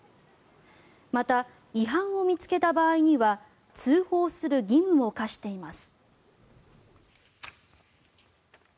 また、違反を見つけた場合には通報する義務も課しています。